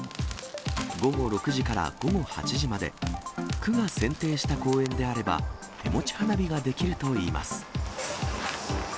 午後６時から午後８時まで、区が選定した公園であれば、手持ち花火ができるといいます。